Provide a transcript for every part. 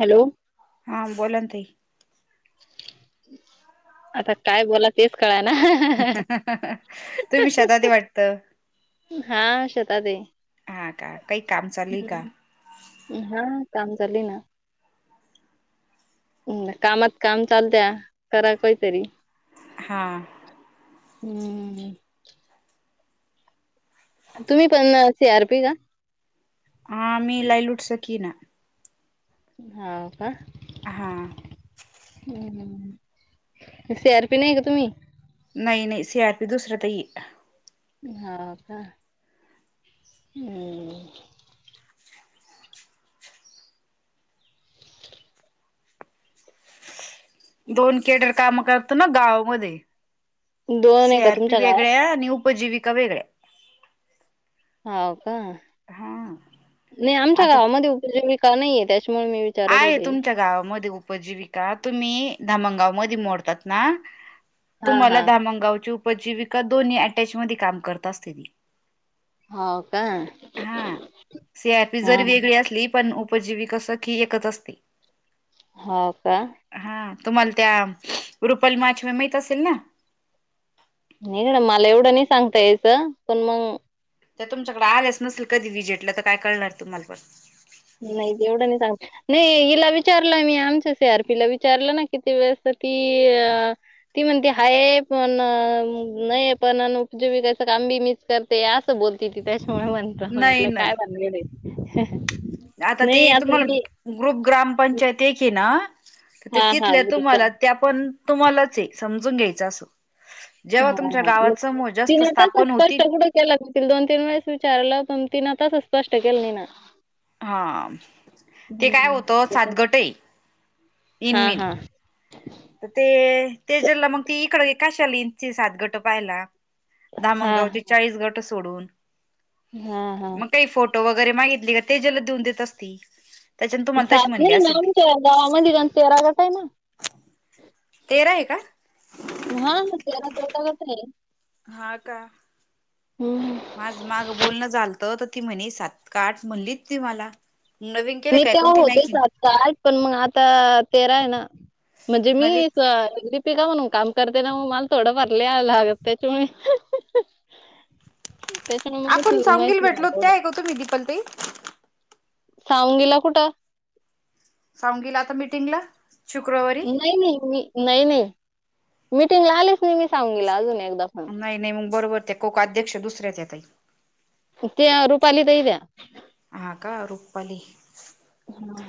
Hello हा बोला ताई आता काय बोला तेच कळाय ना तुम्ही शेतात आहे वाटतं हा शेतात आहे हा का काही काम चालुय का? हम्म. हा काम चालू आहे ना कामात काम चालत्या करा काहीतरी हा हम्म तुम्ही पण सी आर पी आहे का? हा मी लाईलुट सखी आहे ना हा का हा हम् हम्म सी आर पी नाही का तुम्ही? नाही नाही सी आर पी दुसऱ्या ताई आहेत हो का हम् [inaudible] दोन केडर काम करता ना गावामध्ये दोन आहे सी का आर पी तुमच्या गावात वेगळ्या आणि उपजीविका वेगळ्या हो का हा नाही आमच्या आता गावामध्ये उपजीविका नाहीये त्याच्यामुळे मी विचारत आहे होते तुमच्या गावामध्ये उपजीवी का तुम्ही धामनगाव मधी मोडतात ना हा तुम्हाला हा धामनगावची उप पजीविका दोन्ही ॲटॅच मध्ये करत असत्याती. हाव का हा सी आर पी हा जरी वेगळी असली पण उपजीविका असं की एकच असते. हो का हा तुम्हाला त्या रुपाली माछवे माहीत असेल ना नाही गड्या मला एवढं नाही सांगता यायचं पण मंग त्या तुमच्याकडं आल्याच नसेल कधी विजेटला तर काय कळणार तुम्हाला पण नाही तेवढं नाही सांग नाही हिला विचारलं मी आमच्या सी आर पी ला विचारलं ना किती वेळेस ती अ ती म्हणती हाये पण नाये पण न उपजीविकाचं काम बी मीच करते असं बोलती ती त्याच्यामुळे म्हणतो नाही म्हंटलं काय नाही भानगड ए आता ती तुम्हाला ग्रुप ग्रामपंचायत एक ए ना तर ते हां, हां. तिथल्या ग्रुपला तुम्हाला त्या पण तुम्हालाच ए समजून घ्यायचं असं जेव्हा हां, तुमच्या हां. मग गावात समुह जास्त तिनं तसं स्थापन स्पष्ट होतील कुठं केलं ती दोन तीन वेळेस विचारलं पण तिनं तसं स्पष्ट केलं नाही ना. हा ते काय हं. होतं सात गट ए हा हा तर ते ते जला मग ती इकडं काशाला इन ती सात गटं पाहायला. हां, धामगावचे चाळीस गटं सोडून हां, हां. मग काही फोट टो वगैरे मागितली का ते जलं देऊन देत असतील. सात नाही ना आमच्या गावामध्ये तेरा गट आहे ना तेरा आहे का हा तेरा चौदा गट आहे हा का हम्म आज मागं बोलणं झालतं तर ती म्हणे सात का आठ म्हणली ती मला. नवीन केले काय कोणती नाय चीन काय पण मग आता तेरा आहे ना म्हणजे नवीन मी क अगदी पिका म्हणून काम करते ना मग मला थोडं भरल्या लागत त्याच्यामुळे त्याच्यामुळे आपण माहिती सावंगीला माहितीय भेटलो मला त्या एवढं आहे का तुम्ही दिपाली ताई साळुंगिला कुठं साळुंगिला आता मीटिंगला शुक्रवारी नाही नाही मी नाही नाही मिटिंगला आलीच नाही मी साळुंगिला अजून एकदा पण नाही नाही मग बरोबर त्या कोक अध्यक्ष दुसऱ्याच या ताई त्या रुपाली ताई त्या हा का रुपाली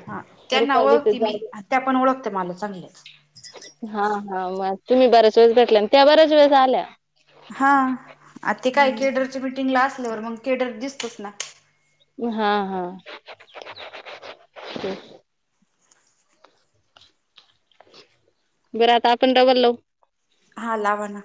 हा त्यांना रुपाली ते ओळखती मी जाऊ त्या पण ओळखत्या मला चांगल्याच हा हा मग तुम्ही बऱ्याच वेळे भेटल्या न त्या बऱ्याच वेळेस आल्या हा आ ते काय हम्म. केडरच्या मीटिंगला असल्यावर मग केडर दिसतोच ना हा हा हम् बर आता आपण डबल लाऊ. हा लावा ना.